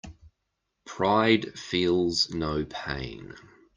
Pride feels no pain.